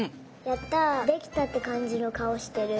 やったできたってかんじのかおしてる。